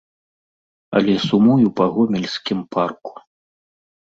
Але сумую па гомельскім парку.